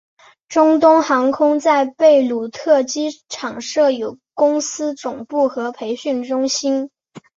中东航空在贝鲁特机场设有公司总部和培训中心。